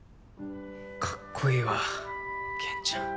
かっこいいわけんちゃん。